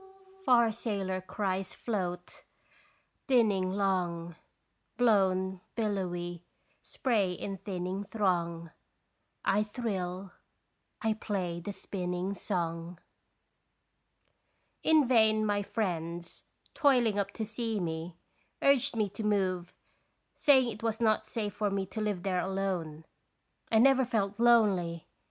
Yo ho ho ho! Yo ho ho ho! Far sailor cries float, dinning long, Blown billowy, spray in thinning throng. I thrill, I play the spinning song. In vain my friends, toiling up to see me, urged me to move, saying it was not safe for me to live there alone. I never felt lonely.